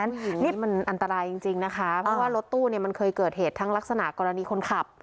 นี่มันอันตรายจริงนะคะเพราะว่ารถตู้เนี่ยมันเคยเกิดเหตุทั้งลักษณะกรณีคนขับ